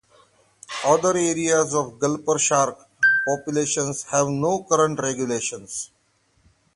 Other areas of gulper shark populations have no current regulations.